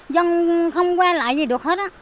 dân không qua lại gì được hết